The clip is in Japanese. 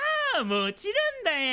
もちろんだよ。